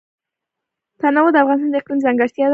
تنوع د افغانستان د اقلیم ځانګړتیا ده.